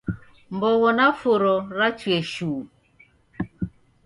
Mbogho na furo rachue shu